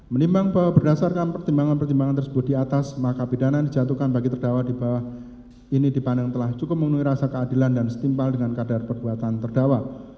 menimbang bahwa berdasarkan pertimbangan pertimbangan tersebut di atas maka pidana yang dijatuhkan bagi terdakwa di bawah ini dipandang telah cukup memenuhi rasa keadilan dan setimpal dengan kadar perbuatan terdakwa